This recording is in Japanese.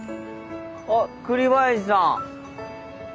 あっ栗林さん。